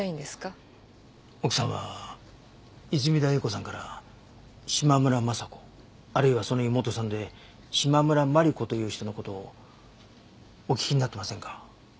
奥さんは泉田栄子さんから島村昌子あるいはその妹さんで島村万里子という人の事をお聞きになってませんか？